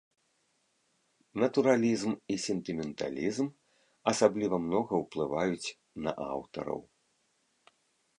Натуралізм і сентыменталізм асабліва многа ўплываюць на аўтараў.